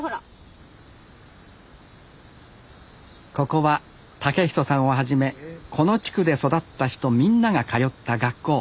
ここは健人さんをはじめこの地区で育った人みんなが通った学校。